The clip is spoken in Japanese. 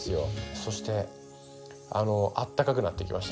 そしてあったかくなってきました